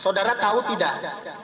saudara tahu tidak